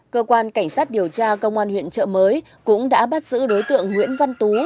cơ quan cảnh sát điều tra công an huyện trợ mới cũng đã bắt giữ đối tượng nguyễn văn tú